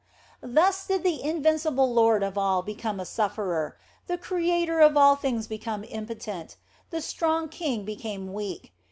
Thus did the invincible Lord of all become a sufferer ; the Creator of all things became impotent ; the strong King became weak.